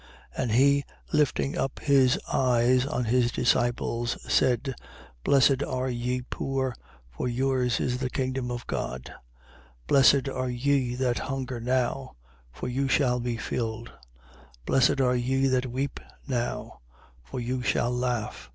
6:20. And he, lifting up his eyes on his disciples, said: Blessed are ye poor: for yours is the kingdom of God. 6:21. Blessed are ye that hunger now: for you shall be filled. Blessed are ye that weep now: for you shall laugh.